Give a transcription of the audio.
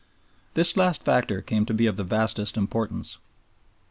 This last factor came to be of the vastest importance.